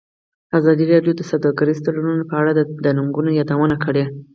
ازادي راډیو د سوداګریز تړونونه په اړه د ننګونو یادونه کړې.